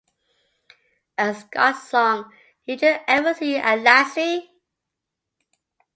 A Scots song, Did You Ever See a Lassie?